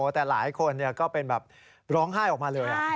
แต่หลายคนก็เป็นแบบร้องไห้ออกมาเลย